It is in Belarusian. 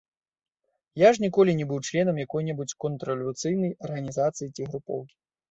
Я ж ніколі не быў членам якой-небудзь контррэвалюцыйнай арганізацыі ці групоўкі!